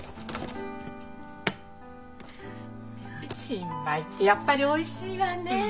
新米ってやっぱりおいしいわねえ！